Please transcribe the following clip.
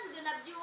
tempat kami tumbuh